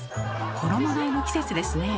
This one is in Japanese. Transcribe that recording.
衣がえの季節ですねえ。